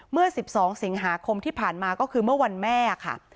เมื่อ๑๒สิงหาคมที่ผ่านมาก็คือเมื่อวันแม่ค่ะ